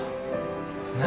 何？